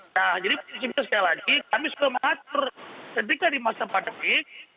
nah jadi prinsipnya sekali lagi kami sudah mengatur ketika di masa pandemi